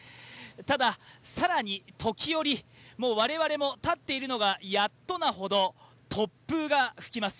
ただ、更に時折、我々も立っているのがやっとなほど突風が吹きます。